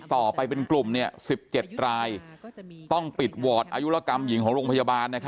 ต่อไปเป็นกลุ่ม๑๗รายต้องปิดวอร์ดอายุรกรรมหญิงของโรงพยาบาล